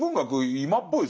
今っぽいですね。